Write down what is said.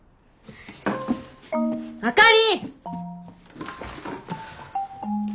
あかり！